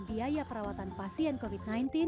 biaya perawatan pasien covid sembilan belas